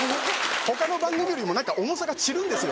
他の番組よりも重さが散るんですよ